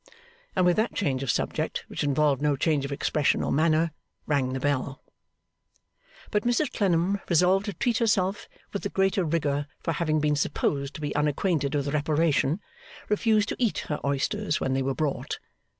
and with that change of subject, which involved no change of expression or manner, rang the bell. But Mrs Clennam, resolved to treat herself with the greater rigour for having been supposed to be unacquainted with reparation, refused to eat her oysters when they were brought.